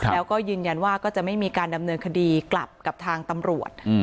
แล้วก็ยืนยันว่าก็จะไม่มีการดำเนินคดีกลับกับทางตำรวจ